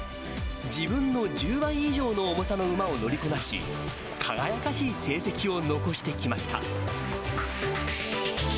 自分の１０倍以上の重さの馬を乗りこなし、輝かしい成績を残してきました。